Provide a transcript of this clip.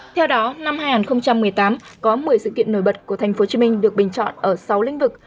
theo đó năm hai nghìn một mươi tám có một mươi sự kiện nổi bật của tp hcm được bình chọn ở sáu lĩnh vực